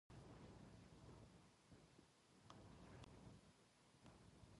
机の上がごちゃごちゃしている。